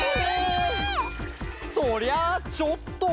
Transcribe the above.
そりゃあちょっと。